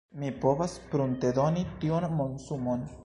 Mi povas pruntedoni tiun monsumon.